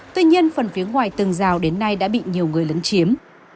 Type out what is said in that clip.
tuy nhiên phần phía ngoài tường rào đến nay đã bị nhiều người lấn chiếm